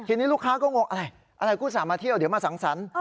ทีนี้ลูกค้าก็โง่อะไรกูสามารถเที่ยวเดี๋ยวมาสั่งสรรค์